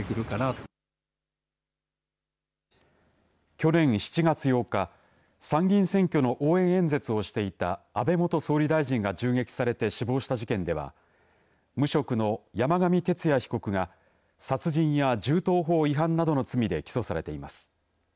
去年７月８日参議院選挙の応援演説をしていた安倍元総理大臣が銃撃されて死亡した事件では無職の山上徹也被告が殺人や銃刀法違反などの罪で起訴されています。